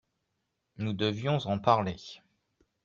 Nous devions en parler.